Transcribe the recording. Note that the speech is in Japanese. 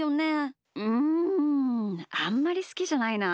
うんあんまりすきじゃないな。